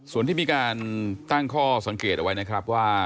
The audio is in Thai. ส่วนที่มีการตั้งข้อสังเกตเอาไว้นะครับว่า